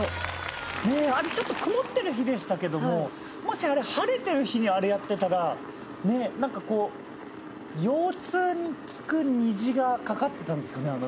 あれちょっと曇ってる日でしたけどももし晴れてる日にあれやってたらねっなんかこう腰痛に効く虹がかかってたんですかね？